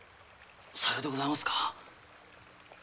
さようでございますか！